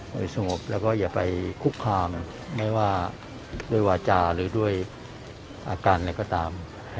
โดยสงบแล้วก็อย่าไปคุกคามไม่ว่าด้วยวาจาหรือด้วยอาการอะไรก็ตาม